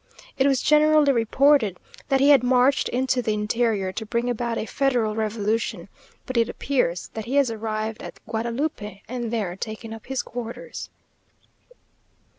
It was generally reported, that he had marched into the interior, to bring about a federal revolution; but it appears that he has arrived at Guadalupe, and there taken up his quarters.